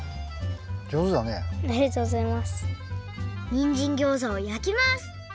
にんじんギョーザをやきます